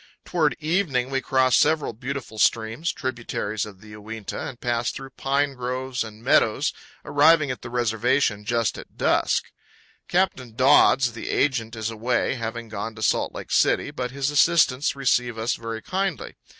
Toward evening we cross several beautiful streams, powell canyons 124.jpg WARRIOR AND BRIDE. tributaries of the Uinta, and pass through pine groves and meadows, arriving at the reservation just at dusk. Captain Dodds, the agent, is away, having gone to Salt Lake City, but his assistants receive us very kindly.